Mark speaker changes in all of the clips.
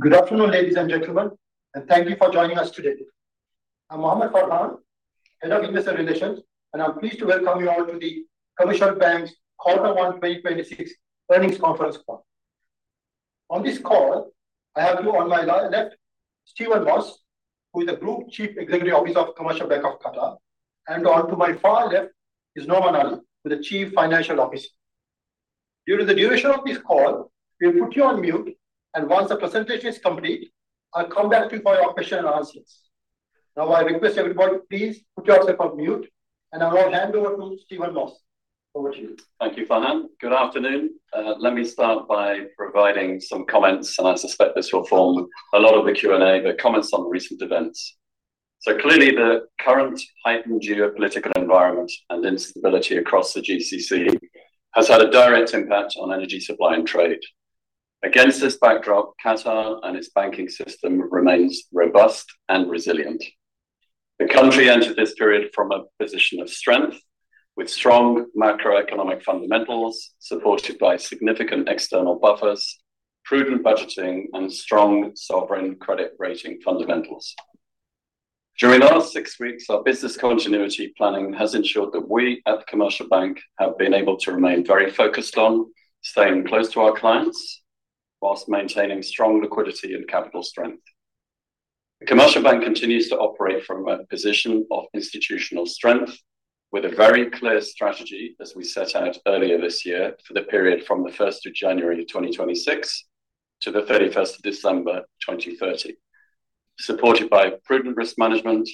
Speaker 1: Good afternoon, ladies and gentlemen. Thank you for joining us today. I'm Mohamed Farhan, Head of Investor Relations, and I'm pleased to welcome you all to The Commercial Bank's Quarter one 2026 Earnings Conference Call. On this call, I have here on my left Stephen Moss, who is the Group Chief Executive Officer of Commercial Bank of Qatar. On to my far left is Noman Ali, the Chief Financial Officer. During the duration of this call, we'll put you on mute, and once the presentation is complete, I'll come back to you for your question and answers. Now, I request everybody please put yourself on mute, and I'll hand over to Stephen Moss. Over to you.
Speaker 2: Thank you, Farhan. Good afternoon. Let me start by providing some comments, and I suspect this will form a lot of the Q&A, but comments on recent events. Clearly the current heightened geopolitical environment and instability across the GCC has had a direct impact on energy supply and trade. Against this backdrop, Qatar and its banking system remains robust and resilient. The country entered this period from a position of strength with strong macroeconomic fundamentals, supported by significant external buffers, prudent budgeting, and strong sovereign credit rating fundamentals. During the last six weeks, our business continuity planning has ensured that we at the Commercial Bank have been able to remain very focused on staying close to our clients whilst maintaining strong liquidity and capital strength. The Commercial Bank continues to operate from a position of institutional strength with a very clear strategy as we set out earlier this year for the period from the 1st of January 2026 to the 31st of December 2030, supported by prudent risk management,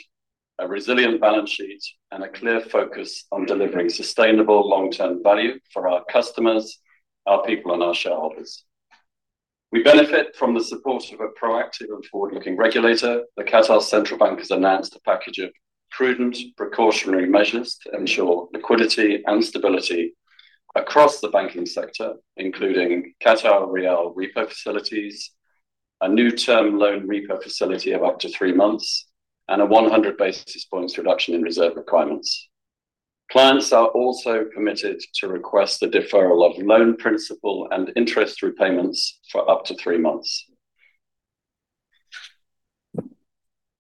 Speaker 2: a resilient balance sheet, and a clear focus on delivering sustainable long-term value for our customers, our people, and our shareholders. We benefit from the support of a proactive and forward-looking regulator. The Qatar Central Bank has announced a package of prudent precautionary measures to ensure liquidity and stability across the banking sector, including Qatar rial repo facilities, a new term loan repo facility of up to three months, and a 100 basis points reduction in reserve requirements. Clients are also permitted to request the deferral of loan principal and interest repayments for up to three months.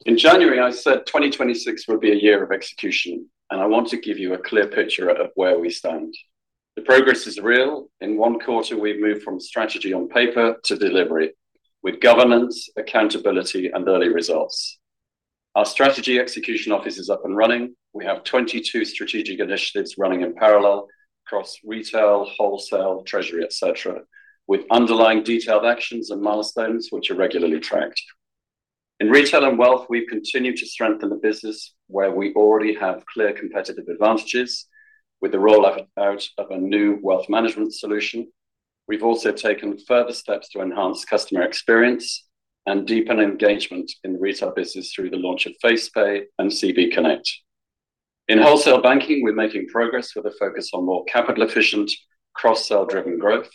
Speaker 2: In January, I said 2026 would be a year of execution, and I want to give you a clear picture of where we stand. The progress is real. In one quarter, we've moved from strategy on paper to delivery with governance, accountability, and early results. Our Strategy Execution Office is up and running. We have 22 strategic initiatives running in parallel across Retail, Wholesale, Treasury, et cetera, with underlying detailed actions and milestones, which are regularly tracked. In Retail and Wealth, we've continued to strengthen the business where we already have clear competitive advantages with the roll out of a new wealth management solution. We've also taken further steps to enhance customer experience and deepen engagement in Retail business through the launch of FacePay and CB Connect. In Wholesale Banking, we're making progress with a focus on more capital-efficient, cross-sell-driven growth,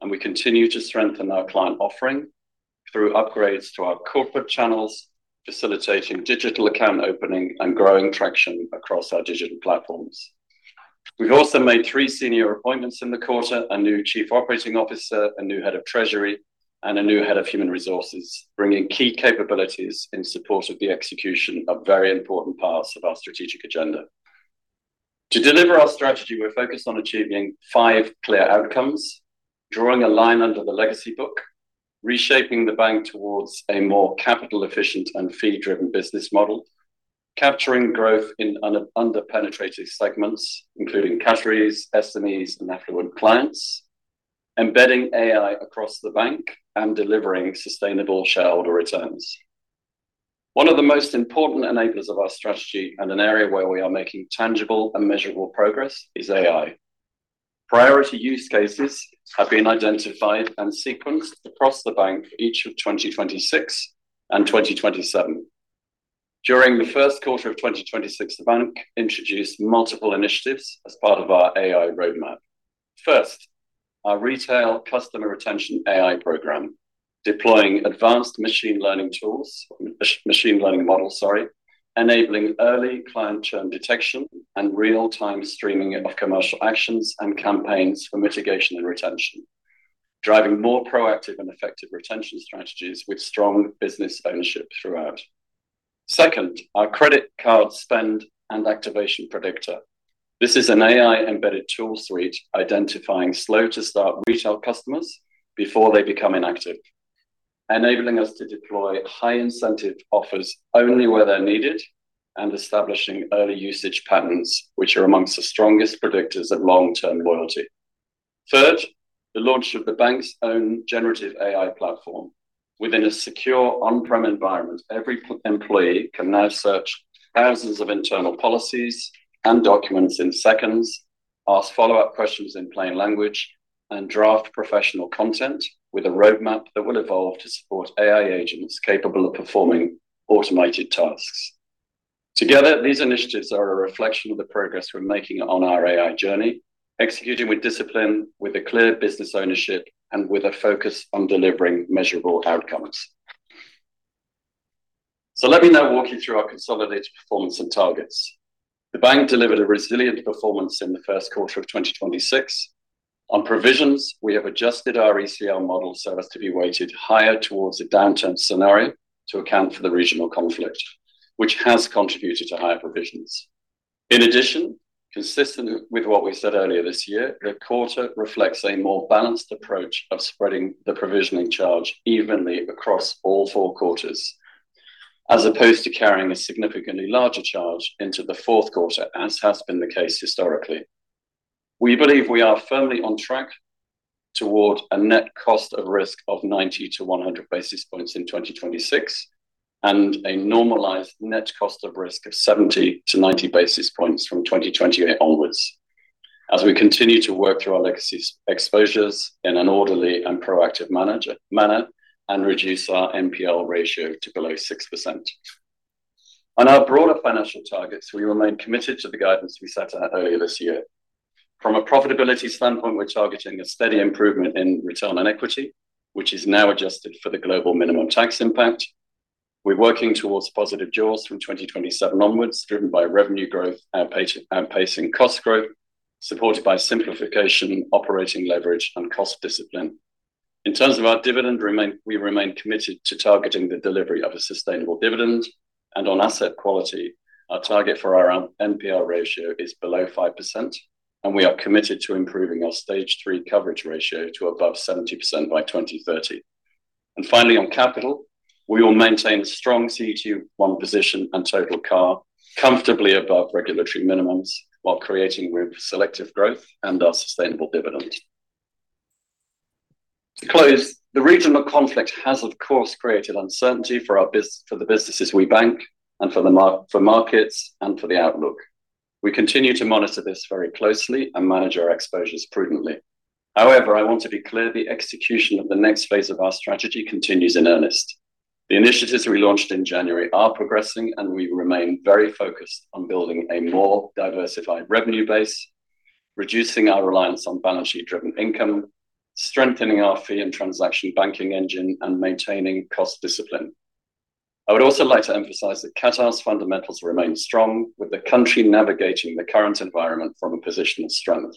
Speaker 2: and we continue to strengthen our client offering through upgrades to our corporate channels, facilitating digital account opening, and growing traction across our digital platforms. We've also made three senior appointments in the quarter, a new Chief Operating Officer, a new Head of Treasury, and a new Head of Human Resources, bringing key capabilities in support of the execution of very important parts of our strategic agenda. To deliver our strategy, we're focused on achieving five clear outcomes, drawing a line under the legacy book, reshaping the bank towards a more capital-efficient and fee-driven business model, capturing growth in under-penetrated segments, including Qataris, SMEs, and affluent clients, embedding AI across the bank, and delivering sustainable shareholder returns. One of the most important enablers of our strategy and an area where we are making tangible and measurable progress is AI. Priority use cases have been identified and sequenced across the bank for each of 2026 and 2027. During the first quarter of 2026, the bank introduced multiple initiatives as part of our AI roadmap. First, our retail customer retention AI program, deploying advanced machine learning tools, machine learning model, sorry, enabling early client churn detection and real-time streaming of commercial actions and campaigns for mitigation and retention. Driving more proactive and effective retention strategies with strong business ownership throughout. Second, our credit card spend and activation predictor. This is an AI-embedded tool suite identifying slow-to-start retail customers before they become inactive, enabling us to deploy high-incentive offers only where they're needed, and establishing early usage patterns, which are amongst the strongest predictors of long-term loyalty. Third, the launch of the bank's own generative AI platform. Within a secure on-prem environment, every employee can now search thousands of internal policies and documents in seconds, ask follow-up questions in plain language, and draft professional content with a roadmap that will evolve to support AI agents capable of performing automated tasks. Together, these initiatives are a reflection of the progress we're making on our AI journey, executing with discipline, with a clear business ownership, and with a focus on delivering measurable outcomes. Let me now walk you through our consolidated performance and targets. The bank delivered a resilient performance in the first quarter of 2026. On provisions, we have adjusted our ECL model so as to be weighted higher towards a downturn scenario to account for the regional conflict, which has contributed to higher provisions. In addition, consistent with what we said earlier this year, the quarter reflects a more balanced approach of spreading the provisioning charge evenly across all four quarters, as opposed to carrying a significantly larger charge into the fourth quarter, as has been the case historically. We believe we are firmly on track toward a net cost of risk of 90-100 basis points in 2026, and a normalized net cost of risk of 70-90 basis points from 2028 onwards, as we continue to work through our legacy exposures in an orderly and proactive manner, and reduce our NPL ratio to below 6%. On our broader financial targets, we remain committed to the guidance we set out earlier this year. From a profitability standpoint, we're targeting a steady improvement in return on equity, which is now adjusted for the global minimum tax impact. We're working towards positive jaws from 2027 onwards, driven by revenue growth outpacing cost growth, supported by simplification, operating leverage, and cost discipline. In terms of our dividend, we remain committed to targeting the delivery of a sustainable dividend. On asset quality, our target for our NPL ratio is below 5%, and we are committed to improving our stage three coverage ratio to above 70% by 2030. Finally, on capital, we will maintain a strong CET1 position and total CAR comfortably above regulatory minimums while creating room for selective growth and our sustainable dividend. To close, the regional conflict has, of course, created uncertainty for the businesses we bank and for markets and for the outlook. We continue to monitor this very closely and manage our exposures prudently. However, I want to be clear, the execution of the next phase of our strategy continues in earnest. The initiatives we launched in January are progressing, and we remain very focused on building a more diversified revenue base, reducing our reliance on balance sheet-driven income, strengthening our fee and transaction banking engine, and maintaining cost discipline. I would also like to emphasize that Qatar's fundamentals remain strong, with the country navigating the current environment from a position of strength.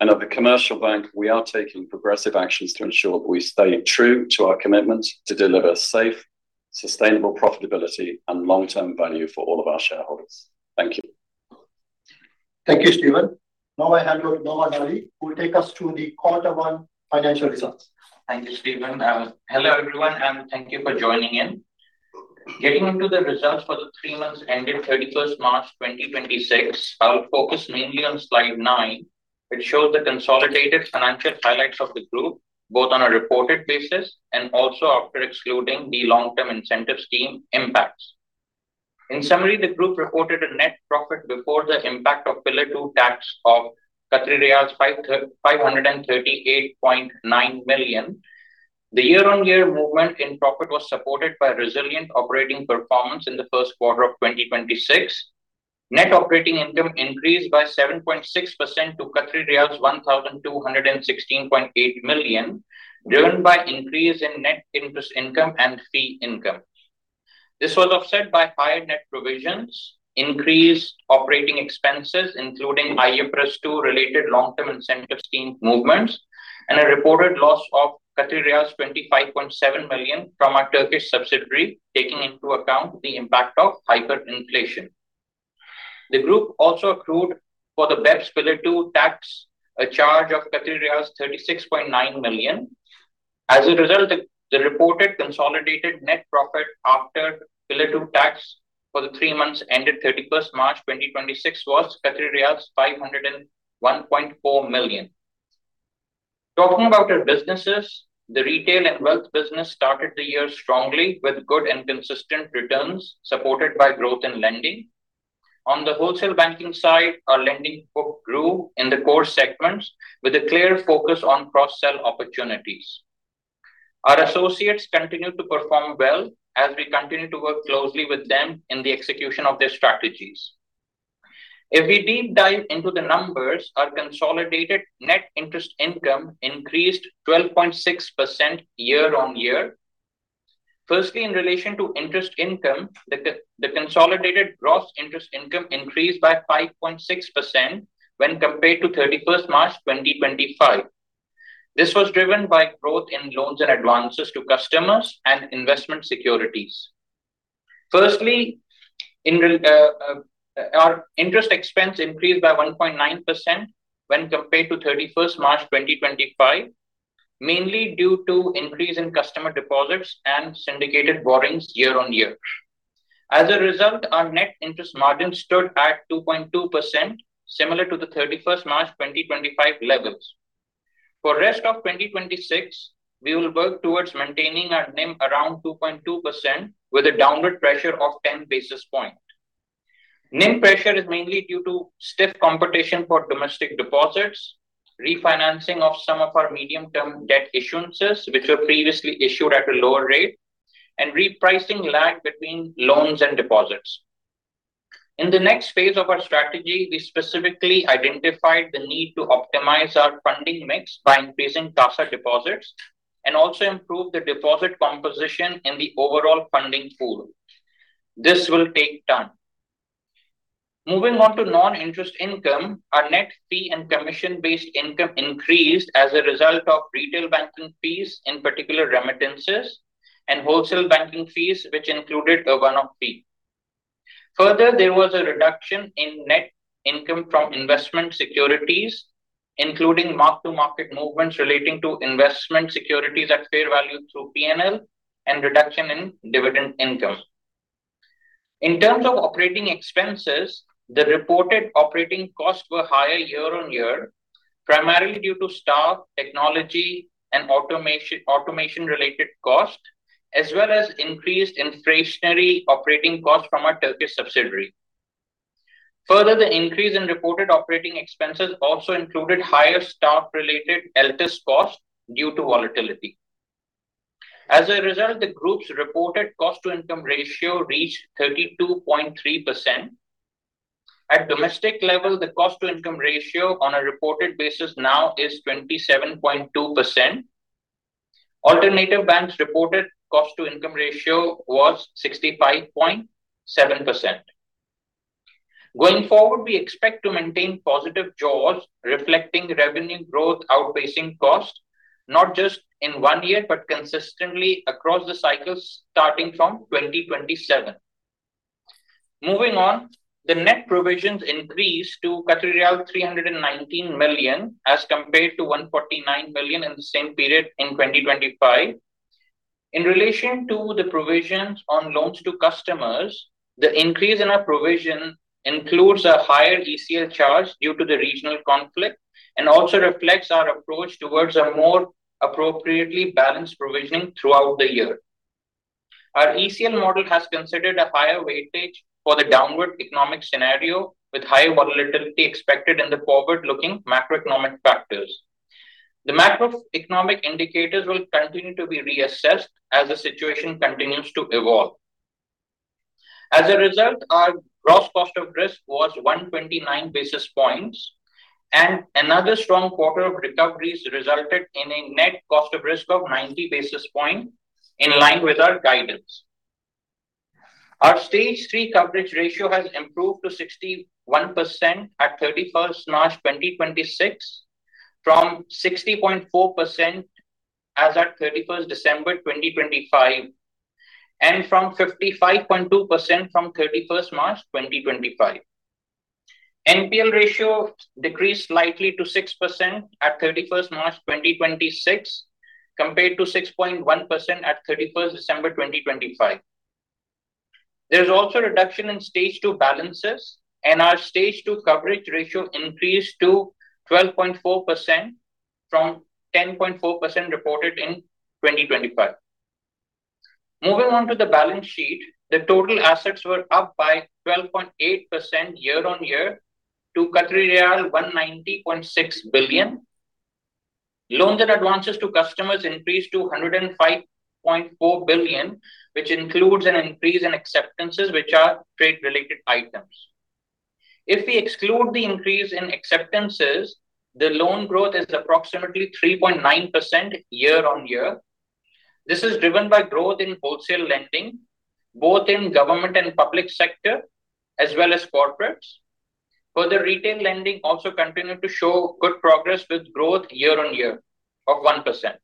Speaker 2: At The Commercial Bank, we are taking progressive actions to ensure that we stay true to our commitment to deliver safe, sustainable profitability and long-term value for all of our shareholders. Thank you.
Speaker 1: Thank you, Stephen. Now I hand over to Noman Ali, who will take us through the quarter one financial results.
Speaker 3: Thank you, Stephen. Hello, everyone, and thank you for joining in. Getting into the results for the three months ending 31st March 2026, I'll focus mainly on slide nine, which shows the consolidated financial highlights of the group, both on a reported basis and also after excluding the long-term incentive scheme impacts. In summary, the group reported a net profit before the impact of Pillar Two tax of 538.9 million. The year-on-year movement in profit was supported by resilient operating performance in the first quarter of 2026. Net operating income increased by 7.6% to 1,216.8 million, driven by increase in net interest income and fee income. This was offset by higher net provisions, increased operating expenses, including IFRS 2 related long-term incentive scheme movements, and a reported loss of 25.7 million from our Turkish subsidiary, taking into account the impact of hyperinflation. The Group also accrued for the BEPS Pillar Two tax, a charge of 36.9 million. As a result, the reported consolidated net profit after Pillar Two tax for the three months ended 31st March 2026 was QAR 501.4 million. Talking about our businesses, the Retail and Wealth business started the year strongly with good and consistent returns, supported by growth in lending. On the Wholesale Banking side, our lending book grew in the core segments with a clear focus on cross-sell opportunities. Our associates continued to perform well as we continued to work closely with them in the execution of their strategies. If we deep dive into the numbers, our consolidated net interest income increased 12.6% year-on-year. Firstly, in relation to interest income, the consolidated gross interest income increased by 5.6% when compared to 31st March 2025. This was driven by growth in loans and advances to customers and investment securities. Firstly, our interest expense increased by 1.9% when compared to 31st March 2025, mainly due to increase in customer deposits and syndicated borrowings year-on-year. As a result, our net interest margin stood at 2.2%, similar to the 31st March 2025 levels. For the rest of 2026, we will work towards maintaining our NIM around 2.2%, with a downward pressure of 10 basis points. NIM pressure is mainly due to stiff competition for domestic deposits, refinancing of some of our medium-term debt issuances, which were previously issued at a lower rate, and repricing lag between loans and deposits. In the next phase of our strategy, we specifically identified the need to optimize our funding mix by increasing CASA deposits, and also improve the deposit composition in the overall funding pool. This will take time. Moving on to non-interest income, our net fee and commission-based income increased as a result of retail banking fees, in particular remittances, and wholesale banking fees, which included a one-off fee. Further, there was a reduction in net income from investment securities, including mark-to-market movements relating to investment securities at fair value through P&L, and reduction in dividend income. In terms of operating expenses, the reported operating costs were higher year-over-year, primarily due to staff, technology, and automation-related cost, as well as increased inflationary operating cost from our Turkish subsidiary. Further, the increase in reported operating expenses also included higher staff-related LTIP costs due to volatility. As a result, the Group's reported cost-to-income ratio reached 32.3%. At domestic level, the cost-to-income ratio on a reported basis now is 27.2%. Alternatif Bank's reported cost-to-income ratio was 65.7%. Going forward, we expect to maintain positive jaws reflecting revenue growth outpacing cost, not just in one year, but consistently across the cycles starting from 2027. Moving on, the net provisions increased to Qatari riyal 319 million as compared to 149 million in the same period in 2025. In relation to the provisions on loans to customers, the increase in our provision includes a higher ECL charge due to the regional conflict and also reflects our approach towards a more appropriately balanced provisioning throughout the year. Our ECL model has considered a higher weightage for the downward economic scenario, with high volatility expected in the forward-looking macroeconomic factors. The macroeconomic indicators will continue to be reassessed as the situation continues to evolve. As a result, our gross cost of risk was 129 basis points, and another strong quarter of recoveries resulted in a net cost of risk of 90 basis points, in line with our guidance. Our stage three coverage ratio has improved to 61% at 31st March 2026, from 60.4% as at 31st December 2025, and from 55.2% from 31st March 2025. NPL ratio decreased slightly to 6% at 31st March 2026, compared to 6.1% at 31st December 2025. There's also a reduction in stage two balances, and our stage two coverage ratio increased to 12.4% from 10.4% reported in 2025. Moving on to the balance sheet, the total assets were up by 12.8% year-on-year to 190.6 billion. Loans and advances to customers increased to 105.4 billion, which includes an increase in acceptances, which are trade-related items. If we exclude the increase in acceptances, the loan growth is approximately 3.9% year-on-year. This is driven by growth in wholesale lending, both in government and public sector, as well as corporates. Further retail lending also continued to show good progress with growth year-on-year of 1%.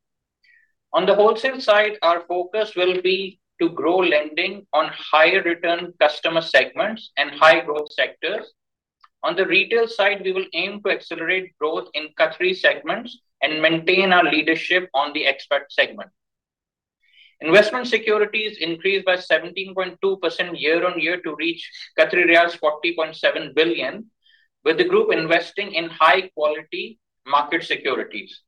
Speaker 3: On the wholesale side, our focus will be to grow lending on higher return customer segments and high growth sectors. On the retail side, we will aim to accelerate growth in Qatari segments and maintain our leadership on the expat segment. Investment securities increased by 17.2% year-on-year to reach 40.7 billion, with the Group investing in high quality market securities.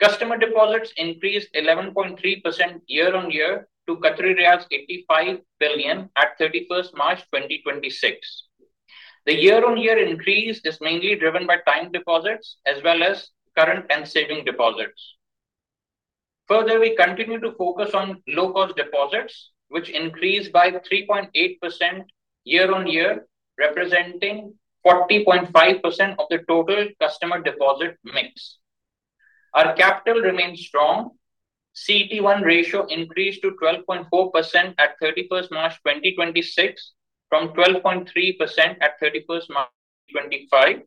Speaker 3: Customer deposits increased 11.3% year-on-year to 85 billion at 31st March 2026. The year-on-year increase is mainly driven by time deposits as well as current and saving deposits. Further, we continue to focus on low-cost deposits, which increased by 3.8% year-on-year, representing 40.5% of the total customer deposit mix. Our capital remains strong. CET1 ratio increased to 12.4% at 31st March 2026 from 12.3% at 31st March 2025.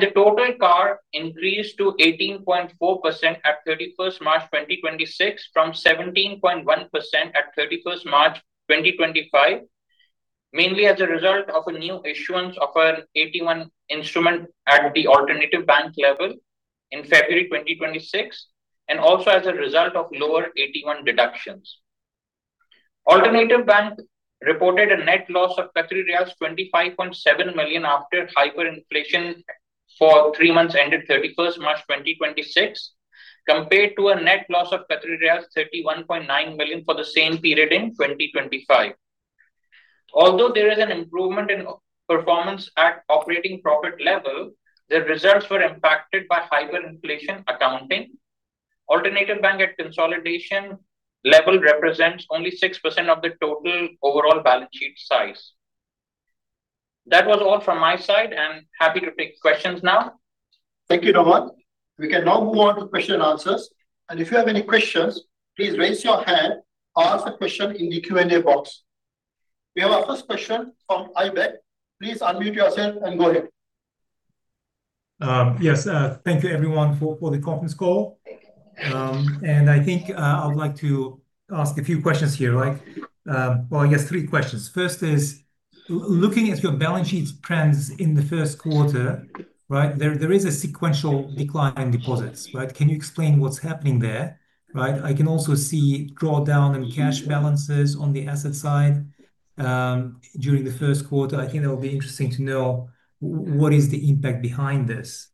Speaker 3: The total CAR increased to 18.4% at 31st March 2026 from 17.1% at 31st March 2025, mainly as a result of a new issuance of an AT1 instrument at the Alternatif Bank level in February 2026, and also as a result of lower AT1 deductions. Alternatif Bank reported a net loss of 25.7 million after hyperinflation for three months ended 31st March 2026, compared to a net loss of 31.9 million for the same period in 2025. Although there is an improvement in performance at operating profit level, the results were impacted by hyperinflation accounting. Alternatif Bank at consolidation level represents only 6% of the total overall balance sheet size. That was all from my side, and I am happy to take questions now.
Speaker 1: Thank you, Noman. We can now move on to question-and-answers, and if you have any questions, please raise your hand or ask the question in the Q&A box. We have our first question from Aybek. Please unmute yourself and go ahead.
Speaker 4: Yes. Thank you, everyone, for the conference call. I think I would like to ask a few questions here. Well, I guess three questions. First is, looking at your balance sheet trends in the first quarter, there is a sequential decline in deposits, right? Can you explain what is happening there? I can also see drawdown in cash balances on the asset side during the first quarter. I think that will be interesting to know what is the impact behind this.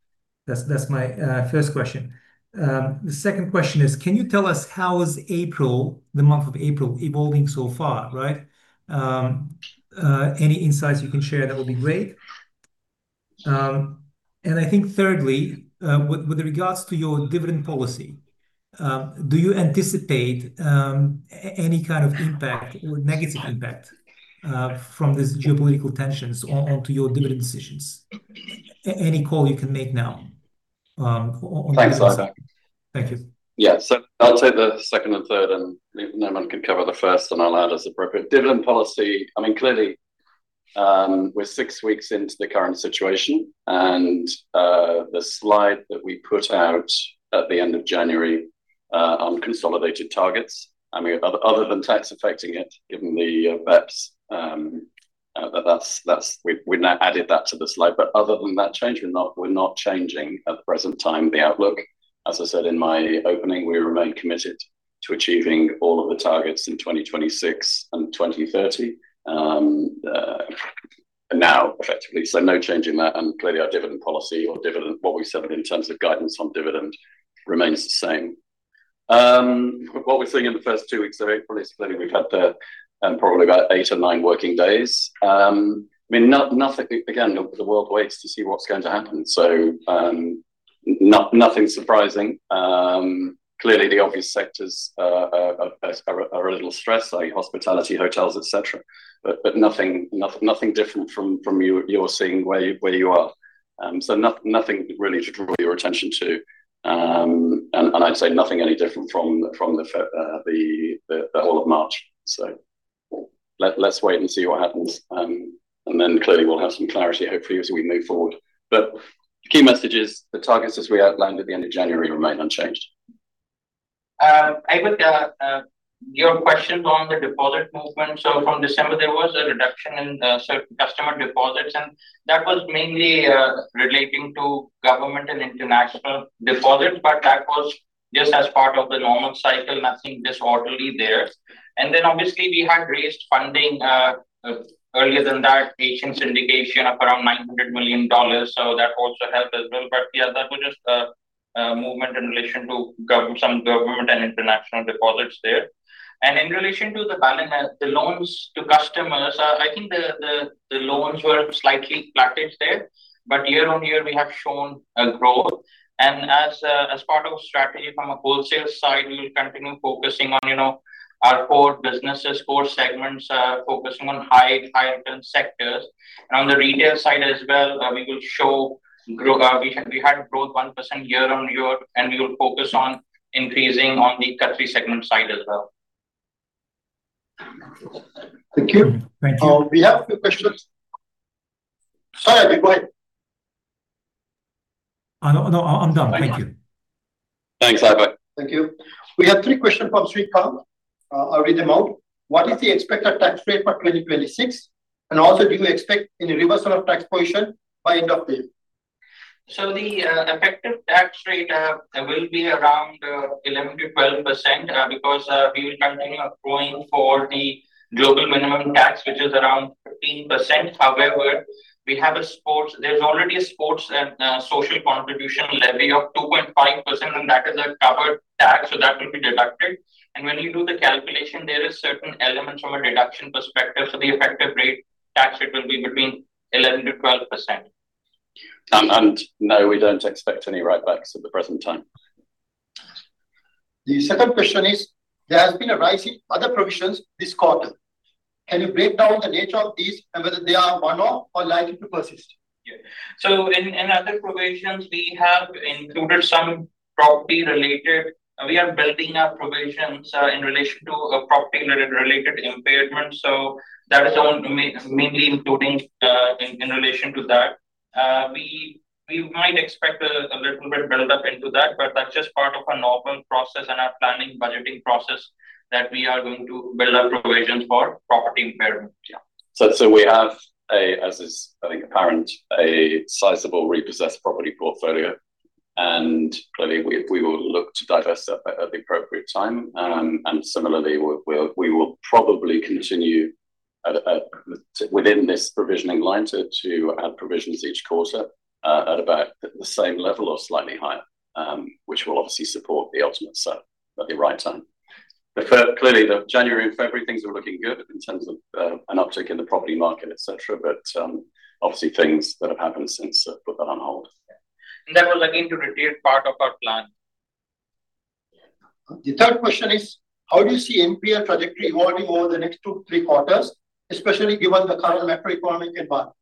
Speaker 4: That is my first question. The second question is, can you tell us how is the month of April evolving so far? Any insights you can share, that will be great. I think thirdly, with regards to your dividend policy, do you anticipate any kind of impact or negative impact from these geopolitical tensions onto your dividend decisions? Any call you can make now on that.
Speaker 2: Thanks, Aybek.
Speaker 4: Thank you.
Speaker 2: Yeah. I'll take the second and third, and Noman can cover the first, and I'll add as appropriate. Dividend policy, clearly, we're six weeks into the current situation, and the slide that we put out at the end of January on consolidated targets, other than tax affecting it, given the BEPS, we've now added that to the slide. Other than that change, we're not changing at the present time the outlook. As I said in my opening, we remain committed to achieving all of the targets in 2026 and 2030 now, effectively, so no change in that, and clearly our dividend policy or what we said in terms of guidance on dividend remains the same. What we're seeing in the first two weeks of April is clearly we've had probably about eight or nine working days. Nothing. Again, the world waits to see what's going to happen. Nothing surprising. Clearly, the obvious sectors are a little stressed, like hospitality, hotels, et cetera. Nothing different from you're seeing where you are. Nothing really to draw your attention to. I'd say nothing any different from the whole of March. Let's wait and see what happens, and then clearly we'll have some clarity hopefully as we move forward. Key message is the targets as we outlined at the end of January remain unchanged.
Speaker 3: Aybek, your questions on the deposit movement. From December, there was a reduction in certain customer deposits, and that was mainly relating to government and international deposits. That was just as part of the normal cycle, nothing disorderly there. Obviously we had raised funding earlier than that, Asian syndication of around $900 million. That also helped as well. Yeah, that was just a movement in relation to some government and international deposits there. In relation to the balance, the loans to customers, I think the loans were slightly flattish there. Year-on-year, we have shown a growth, and as part of strategy from a wholesale side, we will continue focusing on our core businesses, core segments, focusing on high-return sectors. On the retail side as well, we will show growth. We had growth 1% year-over-year. We will focus on increasing on the Qatari segment side as well.
Speaker 1: Thank you.
Speaker 4: Thank you.
Speaker 1: We have a few questions. Sorry, Aybek, go ahead.
Speaker 4: No, I'm done. Thank you.
Speaker 2: Thanks, Aybek.
Speaker 1: Thank you. We have three questions from Srikam. I'll read them out. What is the expected tax rate for 2026, and also do you expect any reversal of tax position by end of the year?
Speaker 3: The effective tax rate will be around 11%-12%, because we will continue accruing for the global minimum tax, which is around 15%. However, there's already a social contribution levy of 2.5%, and that is a covered tax, so that will be deducted. When you do the calculation, there is certain elements from a deduction perspective for the effective tax rate will be between 11%-12%.
Speaker 2: No, we don't expect any write-backs at the present time.
Speaker 1: The second question is, there has been a rise in other provisions this quarter. Can you break down the nature of these and whether they are one-off or likely to persist?
Speaker 3: Yeah. In other provisions, we have included some property-related. We are building our provisions in relation to a property-related impairment. That is mainly including in relation to that. We might expect a little bit buildup into that, but that's just part of our normal process and our planning budgeting process that we are going to build up provisions for property impairment. Yeah.
Speaker 2: We have, as is I think apparent, a sizable repossessed property portfolio, and clearly we will look to divest that at the appropriate time. Similarly, we will probably continue within this provisioning line to add provisions each quarter at about the same level or slightly higher, which will obviously support the ultimate sale at the right time. Clearly, the January and February things were looking good in terms of an uptick in the property market, et cetera. Obviously, things that have happened since put that on hold.
Speaker 3: That will again to repeat part of our plan.
Speaker 1: The third question is how do you see NPL trajectory evolving over the next two-three quarters, especially given the current macroeconomic environment?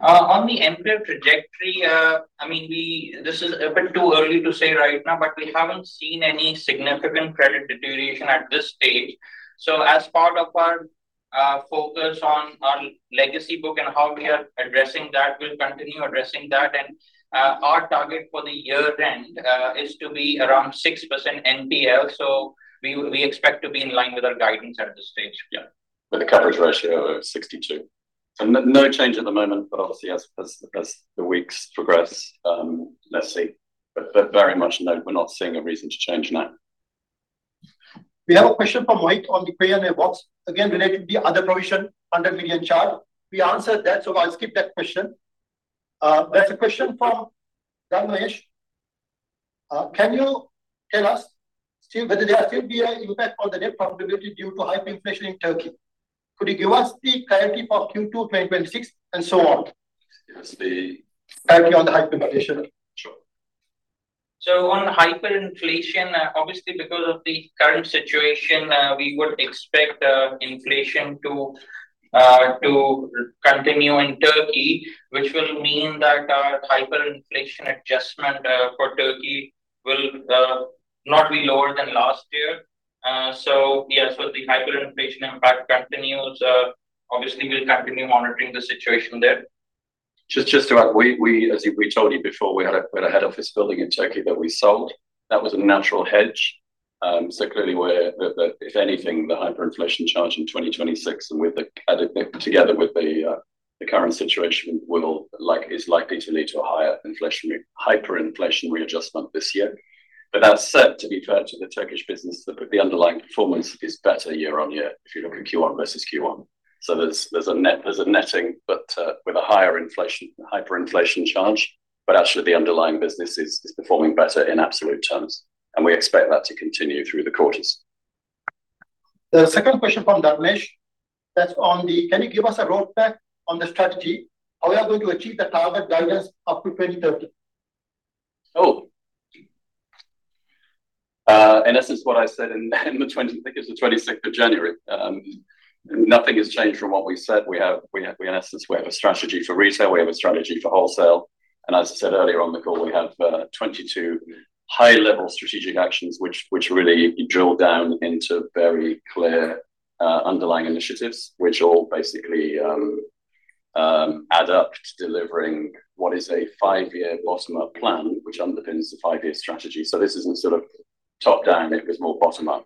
Speaker 3: On the NPL trajectory, this is a bit too early to say right now, but we haven't seen any significant credit deterioration at this stage. As part of our focus on legacy book and how we are addressing that, we'll continue addressing that. Our target for the year end is to be around 6% NPL. We expect to be in line with our guidance at this stage.
Speaker 2: Yeah, with a coverage ratio of 62%. No change at the moment, but obviously as the weeks progress, let's see. Very much no, we're not seeing a reason to change now.
Speaker 1: We have a question from Mike on the Q&A box, again related to the other provision under QAR 1 million charge. We answered that, so I'll skip that question. There's a question from Dharmesh. Can you tell us, Steve, whether there will still be an impact on the net profitability due to hyperinflation in Turkey? Could you give us the clarity for Q2 2026 and so on?
Speaker 2: Give us the-
Speaker 1: Clarity on the hyperinflation.
Speaker 2: Sure.
Speaker 3: On hyperinflation, obviously because of the current situation, we would expect inflation to continue in Turkey, which will mean that our hyperinflation adjustment for Turkey will not be lower than last year. Yes, the hyperinflation impact continues. Obviously, we'll continue monitoring the situation there.
Speaker 2: Just to add, as we told you before, we had a head office building in Turkey that we sold. That was a natural hedge. Clearly, if anything, the hyperinflation charge in 2026 and together with the current situation is likely to lead to a higher hyperinflation readjustment this year. That said, to be fair to the Turkish business, the underlying performance is better year-on-year if you're looking Q1 versus Q1. There's a netting, but with a higher hyperinflation charge, but actually the underlying business is performing better in absolute terms, and we expect that to continue through the quarters.
Speaker 1: The second question from Dharmesh, can you give us a roadmap on the strategy, how we are going to achieve the target guidance up to 2030?
Speaker 2: In essence, what I said, I think it was the 26th of January. Nothing has changed from what we said. In essence, we have a strategy for Retail, we have a strategy for Wholesale, and as I said earlier on the call, we have 22 high-level strategic actions which really drill down into very clear underlying initiatives, which all basically add up to delivering what is a five-year bottom-up plan, which underpins the five-year strategy. This isn't top-down, it was more bottom-up.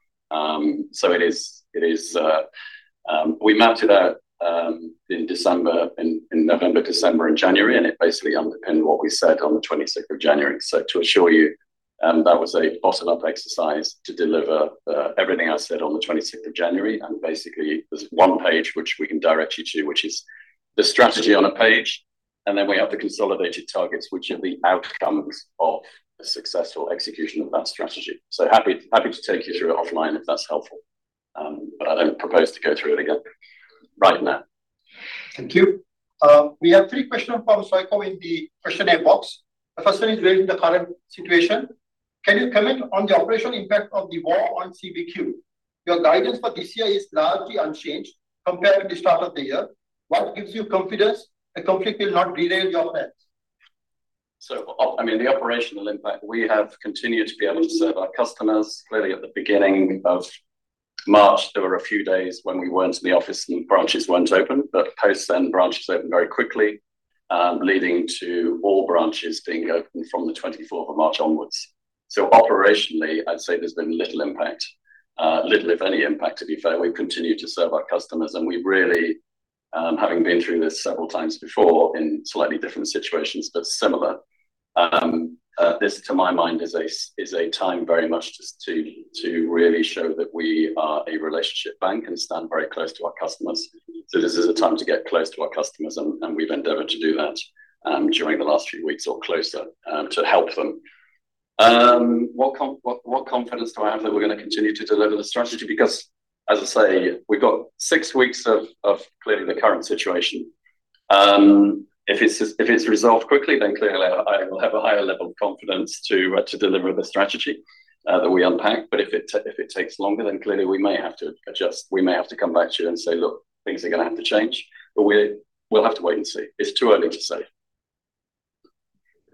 Speaker 2: We mapped it out in November, December, and January, and it basically underpinned what we said on the 26th of January. To assure you, that was a bottom-up exercise to deliver everything I said on the 26th of January, and basically there's one page which we can direct you to, which is the strategy on a page. We have the consolidated targets, which are the outcomes of a successful execution of that strategy. I am happy to take you through it offline if that's helpful, but I don't propose to go through it again right now.
Speaker 1: Thank you. We have three questions from Saiko in the Q&A box. The first one is relating the current situation. Can you comment on the operational impact of the war on CBQ? Your guidance for this year is largely unchanged compared to the start of the year. What gives you confidence the conflict will not derail your plans?
Speaker 2: The operational impact, we have continued to be able to serve our customers. Clearly, at the beginning of March, there were a few days when we weren't in the office and branches weren't open. Post then, branches opened very quickly, leading to all branches being open from the 24th of March onwards. Operationally, I'd say there's been little impact, little, if any impact, to be fair. We've continued to serve our customers, and we really, having been through this several times before in slightly different situations, but similar. This, to my mind, is a time very much just to really show that we are a relationship bank and stand very close to our customers. This is a time to get close to our customers, and we've endeavored to do that during the last few weeks or closer, to help them. What confidence do I have that we're going to continue to deliver the strategy? Because, as I say, we've got six weeks of clearly the current situation. If it's resolved quickly, then clearly I will have a higher level of confidence to deliver the strategy that we unpacked. If it takes longer, then clearly we may have to adjust. We may have to come back to you and say, "Look, things are going to have to change." We'll have to wait and see. It's too early to say.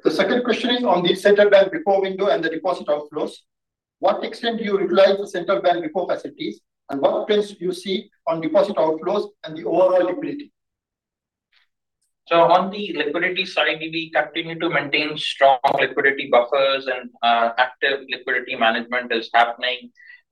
Speaker 1: The second question is on the Central Bank repo window and the deposit outflows. To what extent do you utilize the Central Bank repo facilities, and what trends do you see on deposit outflows and the overall liquidity?
Speaker 3: On the liquidity side, we continue to maintain strong liquidity buffers and active liquidity management is happening.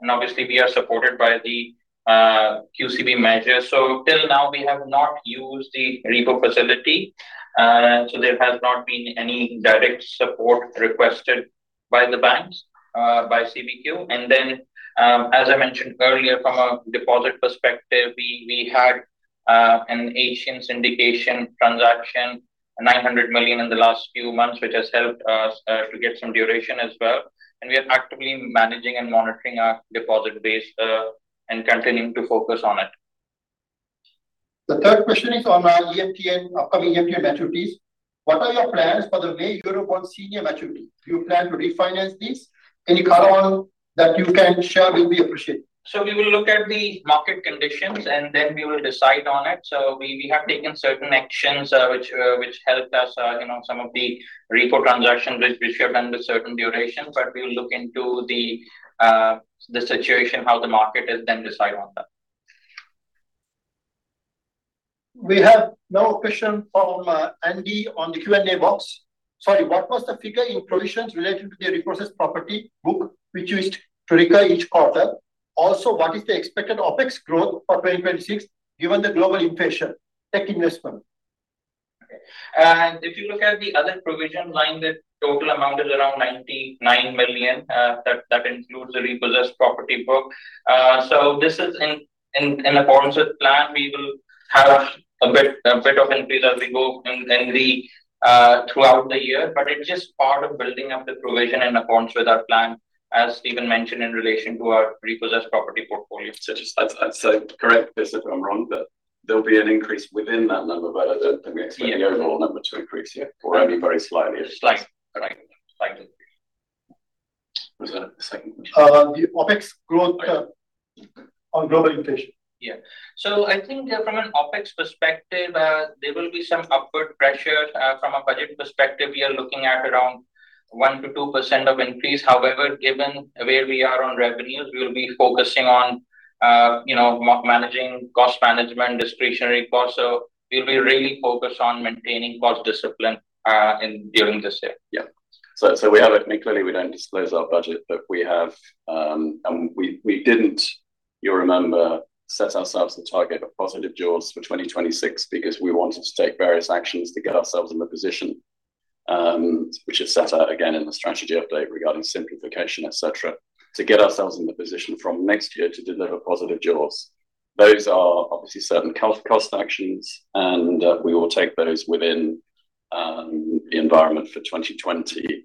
Speaker 3: Obviously, we are supported by the QCB measures. Till now, we have not used the repo facility. There has not been any direct support requested by the banks, by CBQ. As I mentioned earlier, from a deposit perspective, we had an Asian syndication transaction, $900 million in the last few months, which has helped us to get some duration as well. We are actively managing and monitoring our deposit base, and continuing to focus on it.
Speaker 1: The third question is on our upcoming EMTN maturities. What are your plans for the May year upon senior maturity? Do you plan to refinance these? Any color on that you can share will be appreciated.
Speaker 3: We will look at the market conditions and then we will decide on it. We have taken certain actions which helped us, some of the repo transactions which have under certain durations, but we'll look into the situation, how the market is, then decide on that.
Speaker 1: We have now a question from Andy on the Q&A box. Sorry, what was the figure in provisions related to the repossessed property book which you used to recur each quarter? Also, what is the expected OpEx growth for 2026 given the global inflation tech investment?
Speaker 3: If you look at the other provision line, the total amount is around 99 million. That includes the repossessed property book. This is in accordance with plan. We will have a bit of increase as we go throughout the year, but it's just part of building up the provision in accordance with our plan, as Stephen mentioned, in relation to our repossessed property portfolio.
Speaker 2: Just correct this if I'm wrong, but there'll be an increase within that number, but I don't think we expect the overall number to increase yet or only very slightly.
Speaker 3: Slight, right, slight.
Speaker 1: The OpEx growth on global inflation.
Speaker 3: Yeah. I think from an OpEx perspective, there will be some upward pressure. From a budget perspective, we are looking at around 1%-2% of increase. However, given where we are on revenues, we'll be focusing on managing cost management, discretionary costs. We'll be really focused on maintaining cost discipline during this year.
Speaker 2: Yeah, I mean, clearly, we don't disclose our budget, and we didn't, you'll remember, set ourselves the target of positive jaws for 2026 because we wanted to take various actions to get ourselves in the position, which is set out again in the strategy update regarding simplification, et cetera, to get ourselves in the position from next year to deliver positive jaws. Those are obviously certain cost actions, and we will take those within the environment for 2026.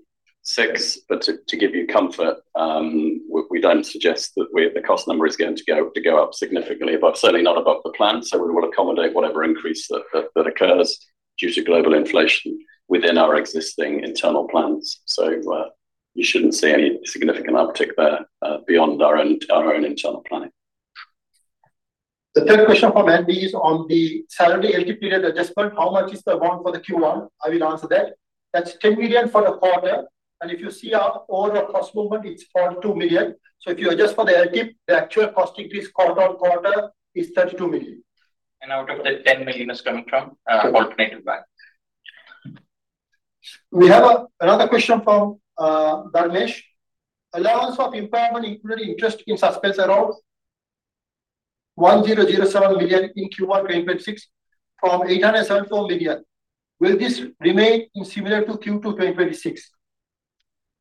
Speaker 2: To give you comfort, we don't suggest that the cost number is going to go up significantly above, certainly not above the plan. We will accommodate whatever increase that occurs due to global inflation within our existing internal plans. You shouldn't see any significant uptick there beyond our own internal planning.
Speaker 1: The third question from Andy is on the salary LTIP adjustment. How much is the amount for the Q1? I will answer that. That's 10 million for the quarter. If you see our overall cost movement, it's 42 million. If you adjust for the LTIP, the actual cost increase quarter-on-quarter is 32 million.
Speaker 3: $10 million is coming from Alternatif Bank.
Speaker 1: We have another question from Dharmesh. Allowance for impairment including interest in suspense around 1,007 million in Q1 2026 from 874 million. Will this remain in similar to Q2 2026?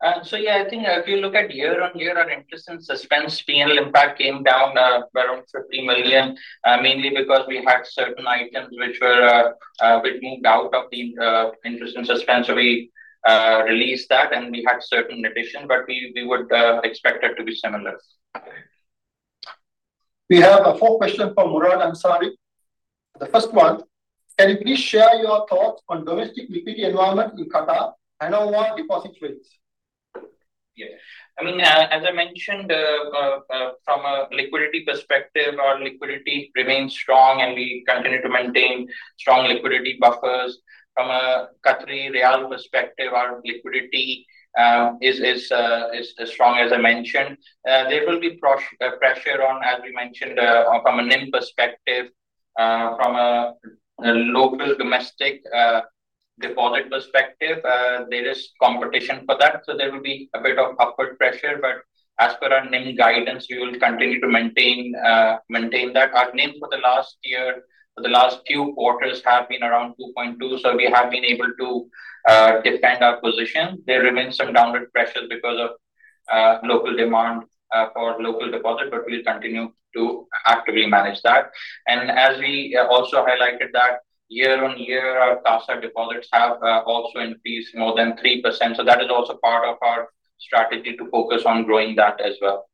Speaker 3: Yeah, I think if you look at year-on-year, our interest in suspense P&L impact came down by around 50 million, mainly because we had certain items which we'd moved out of the interest in suspense, so we released that. We had certain additions, but we would expect it to be similar.
Speaker 1: We have four questions from Murad Ansari. The first one, can you please share your thoughts on domestic liquidity environment in Qatar and on deposit rates?
Speaker 3: Yeah. I mean, as I mentioned, from a liquidity perspective, our liquidity remains strong, and we continue to maintain strong liquidity buffers. From a Qatar rial perspective, our liquidity is as strong as I mentioned. There will be pressure on, as we mentioned, from a NIM perspective. From a local domestic deposit perspective, there is competition for that. There will be a bit of upward pressure. As per our NIM guidance, we will continue to maintain that. Our NIM for the last year, for the last few quarters have been around 2.2%. We have been able to defend our position. There remains some downward pressure because of local demand for local deposit. We'll continue to actively manage that. As we also highlighted that year-on-year, our CASA deposits have also increased more than 3%. That is also part of our strategy to focus on growing that as well.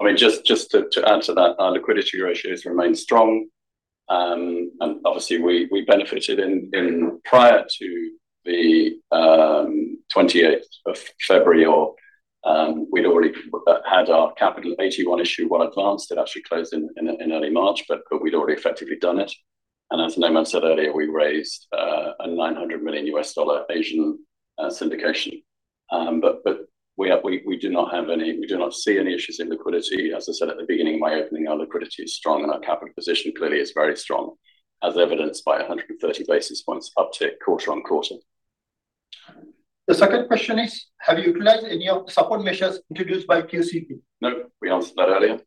Speaker 2: I mean, just to add to that, our liquidity ratios remain strong. Obviously we benefited prior to the 28th of February, or we'd already had our Capital AT1 issue well advanced. It actually closed in early March, but we'd already effectively done it. As Noman said earlier, we raised a $900 million Asian syndication. We do not see any issues in liquidity. As I said at the beginning, my opening, our liquidity is strong and our capital position clearly is very strong, as evidenced by 130 basis points uptick quarter-on-quarter.
Speaker 1: The second question is, have you utilized any of the support measures introduced by QCB?
Speaker 2: No, we answered that earlier.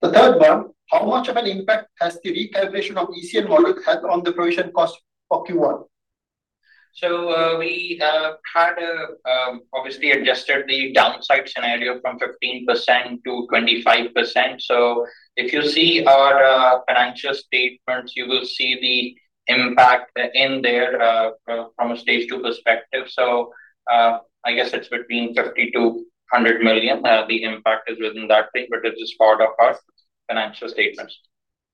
Speaker 1: The third one, how much of an impact has the recalibration of ECL model had on the provision cost for Q1?
Speaker 3: We had obviously adjusted the downside scenario from 15%-25%. If you see our financial statements, you will see the impact in there from a stage two perspective. I guess it's between 50 million-100 million. The impact is within that range, but it is part of our financial statements.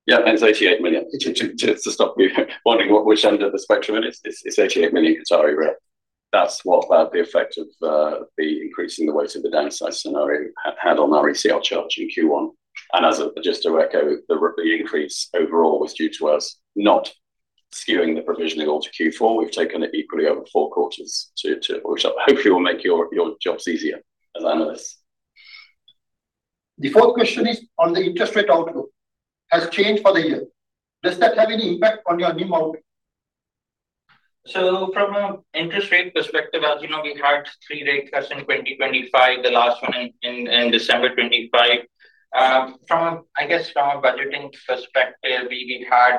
Speaker 2: Yeah, and it's 88 million, just to stop you wondering which end of the spectrum it is. It's 88 million. Sorry, Rick. That's what the effect of the increase in the weight of the downside scenario had on our ECL charge in Q1. Just to echo, the increase overall was due to us not skewing the provisioning all to Q4. We've taken it equally over four quarters to which hopefully will make your jobs easier as analysts.
Speaker 1: The fourth question is on the interest rate outlook has changed for the year. Does that have any impact on your NIM outlook?
Speaker 3: From an interest rate perspective, as you know, we had three rate cuts in 2025, the last one in December 2025. I guess from a budgeting perspective, we had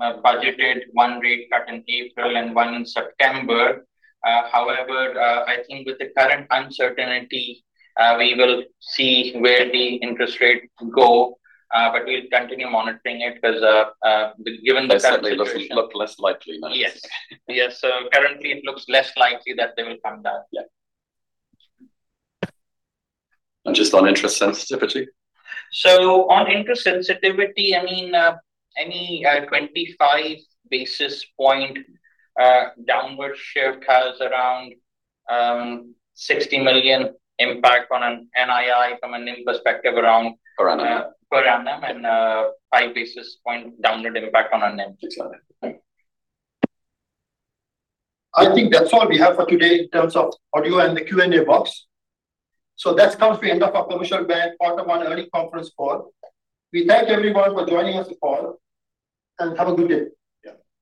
Speaker 3: budgeted one rate cut in April and one in September. However, I think with the current uncertainty, we will see where the interest rates go. We'll continue monitoring it because given the current situation.
Speaker 2: They certainly look less likely now.
Speaker 3: Yes. Currently it looks less likely that they will come down.
Speaker 2: Yeah, just on interest sensitivity.
Speaker 3: On interest sensitivity, any 25 basis point downward shift has around 60 million impact on an NII from a NIM perspective.
Speaker 2: Per annum.
Speaker 3: Per annum, and five basis point downward impact on our NIM.
Speaker 2: Excellent.
Speaker 1: I think that's all we have for today in terms of audio and the Q&A box. That comes to the end of our Commercial Bank quarter one earnings conference call. We thank everyone for joining us on the call and have a good day.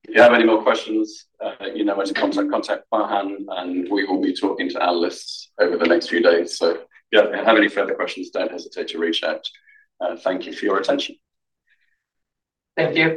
Speaker 2: Yeah. If you have any more questions, you know where to contact Farhan, and we will be talking to analysts over the next few days. If you have any further questions, don't hesitate to reach out. Thank you for your attention.
Speaker 3: Thank you.